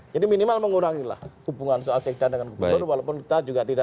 jadi minimal mengurangilah hubungan sekda dengan gubernur